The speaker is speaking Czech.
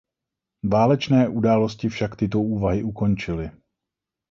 Válečné události však tyto úvahy ukončily.